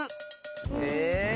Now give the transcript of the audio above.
え⁉